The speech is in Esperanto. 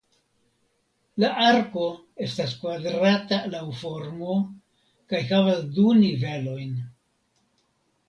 La arko estas kvadrata laŭ formo kaj havas du nivelojn.